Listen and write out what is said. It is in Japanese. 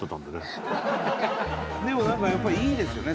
でも何かやっぱりいいですよね。